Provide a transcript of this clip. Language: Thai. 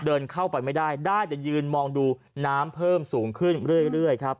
เดินเข้าไปไม่ได้ได้แต่ยืนมองดูน้ำเพิ่มสูงขึ้นเรื่อยครับ